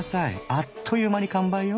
あっという間に完売よ。